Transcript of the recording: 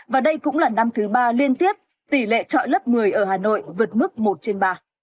và đây cũng là năm thứ ba liên tiếp tỷ lệ trọi lớp một mươi ở hà nội vượt mức một trên ba